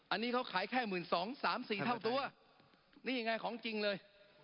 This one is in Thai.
อันนี้เขาขายแค่๑๒๐๐๓๔เท่าตัวนี่ไงของจริงเลย